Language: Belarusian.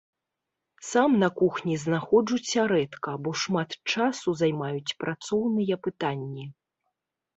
Сам на кухні знаходжуся рэдка, бо шмат часу займаюць працоўныя пытанні.